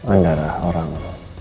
anda adalah orang